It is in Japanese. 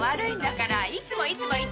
いつもいつも言ってるでしょ！